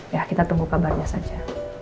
ya kita tunggu kabarnya saja